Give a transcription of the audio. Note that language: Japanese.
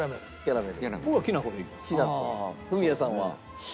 フミヤさんは？